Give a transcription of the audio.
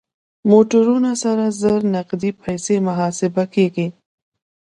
موټرونه سره زر نغدې پيسې محاسبه کېږي.